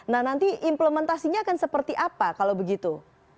nah nanti implementasinya akan seperti apa kalau begitu